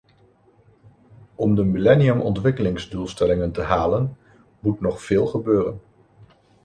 Om de millenniumontwikkelingsdoelstellingen te halen moet nog veel gebeuren.